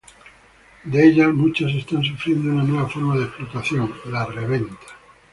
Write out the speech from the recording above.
De ellas, muchas están sufriendo una nueva forma de explotación: la reventa.